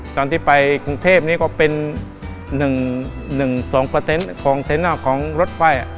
ตอนที่ไปกรุงเทพนี้ก็เป็น๑๒ของเทนเนอร์ของรถไฟ